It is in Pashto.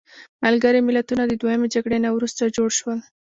ملګري ملتونه د دویمې جګړې نه وروسته جوړ شول.